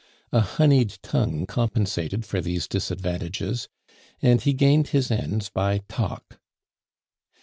A honeyed tongue compensated for these disadvantages, and he gained his ends by talk.